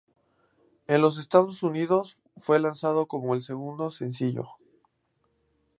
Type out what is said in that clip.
En los Estados Unidos fue lanzado como el segundo sencillo.